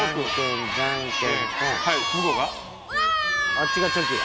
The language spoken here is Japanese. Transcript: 「あっちがチョキや」